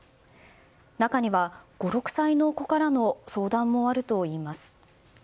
中には、５６歳の子からの相談もあるといいます。